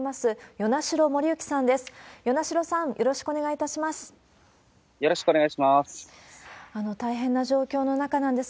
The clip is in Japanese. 与那城さん、よろしくお願いいたします。